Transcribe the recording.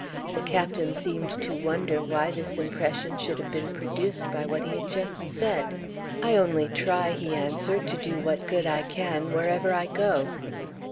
The Captain seemed to wonder why this impression should have been produced by what he had just said. "I only try," he answered, "to do what good I can, wherever I go."